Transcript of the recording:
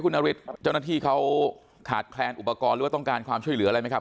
คุณนฤทธิ์เจ้าหน้าที่เขาขาดแคลนอุปกรณ์หรือว่าต้องการความช่วยเหลืออะไรไหมครับ